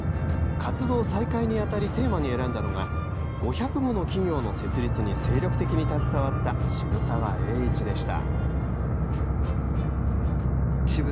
活動再開に当たりテーマに選んだのが５００もの企業の設立に精力的に携わった渋沢栄一でした。